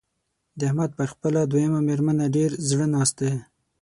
د احمد پر خپله دويمه مېرمنه ډېر زړه ناست دی.